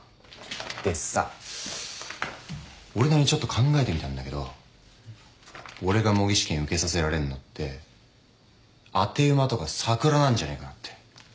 でさ俺なりにちょっと考えてみたんだけど俺が模擬試験受けさせられんのって当て馬とかサクラなんじゃねえかなって。